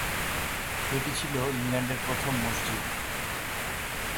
এটি ছিল ইংল্যান্ডের প্রথম মসজিদ।